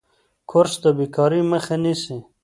کورس د بیکارۍ مخه نیسي.